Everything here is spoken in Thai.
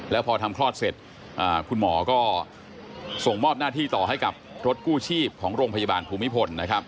แล้วพอทำคลอดเสร็จคุณหมอก็ส่งมอบหน้าที่ต่อให้กับรถกู้ชีพของโรงพยาบาลภูมิพล